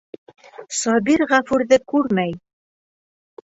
Сабир Ғәфүрҙе күрмәй.